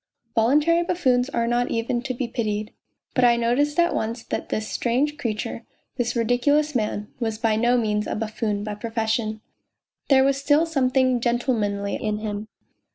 Voluntary buffoons are not even to be pitied. But I noticed at once that this strange creature, this ridiculous man, was by no means a buffoon by profession. There was still something gentlemanly in him.